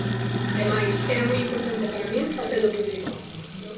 Ademais, era moi importante para min facelo público.